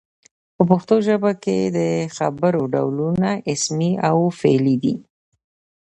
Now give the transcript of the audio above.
په پښتو ژبه کښي د خبر ډولونه اسمي او فعلي دي.